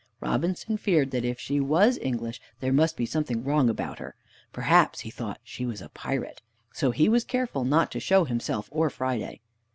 Robinson feared that if she was English there must be something wrong about her. Perhaps, he thought, she was a pirate. So he was careful not to show himself or Friday.